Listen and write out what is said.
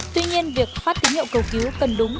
tuy nhiên việc phát tín hiệu cầu cứu cần đúng